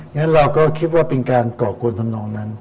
งั้นเราก็คิดว่าเป็นการก่อกวนทำนองนั้น